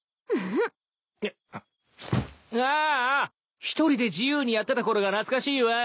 ああ一人で自由にやってたころが懐かしいわい。